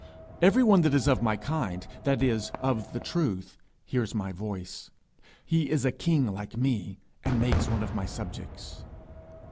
Everyone that is of my kind, that is of the truth, hears my voice. He is a king like me, and makes one of my subjects.'